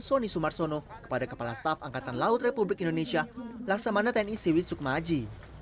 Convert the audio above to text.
soni sumarsono kepada kepala staf angkatan laut republik indonesia laksamana tni siwisukmaji